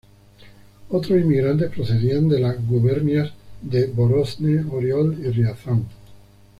Otros inmigrantes procedían de las "gubernias" de Vorónezh, Oriol y Riazán.